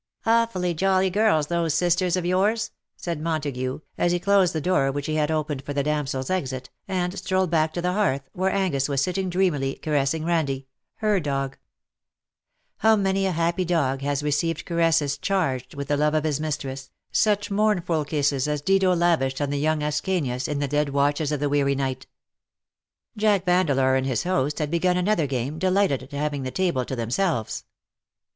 ''^ Awfully jolly girls, those sisters of yours/"^ said Montagu, as he closed the door which he had opened for the damsels^ exit, and strolled back to the hearth, where Angus was sitting dreamily caressing Kandie— her dog ! How many a happy dog has received caresses charged with the love of his mistress, such mournful kisses as Dido lavished on the young Ascanias in the dead watches of the weary night. Jack Vandeleur and his host had begun another game, delighted at having the table to themselves.